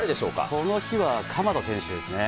この日は、鎌田選手ですね。